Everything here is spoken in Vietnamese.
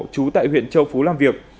cũng tại huyện châu phú làm việc